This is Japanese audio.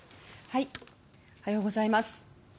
おはようございます。